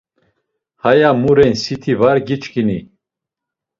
Haya mu ren siti var giçkini?